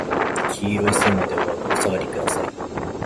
黄色い線までお下がりください。